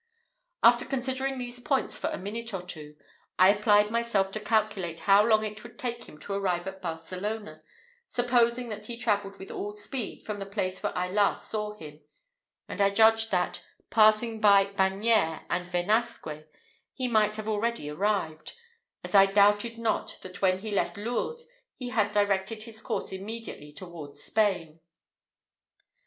After considering these points for a minute or two, I applied myself to calculate how long it would take him to arrive at Barcelona, supposing that he travelled with all speed from the place where I last saw him; and I judged that, passing by Bagneres and Venasque, he might have already arrived, as I doubted not that when he left Lourdes he had directed his course immediately towards Spain.